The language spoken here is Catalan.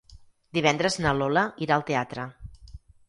Divendres na Lola irà al teatre.